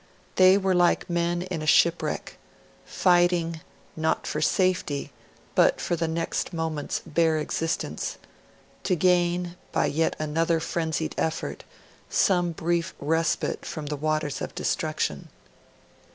They were like men in a shipwreck, fighting, not for safety, but for the next moment's bare existence to gain, by yet another frenzied effort, some brief respite from the waters of destruction.